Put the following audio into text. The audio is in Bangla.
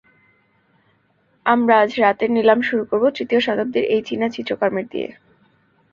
আমরা আজ রাতের নিলাম শুরু করবো, তৃতীয় শতাব্দীর এই চীনা চিত্রকর্মের দিয়ে।